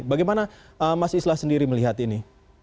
bagaimana mas islah sendiri melihat ini